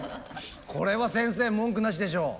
これは先生文句なしでしょう。